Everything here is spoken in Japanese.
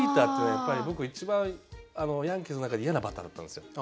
やっぱり僕一番ヤンキースの中で嫌なバッターだったんですよ。